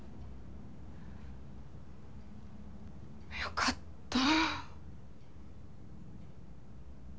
良かった！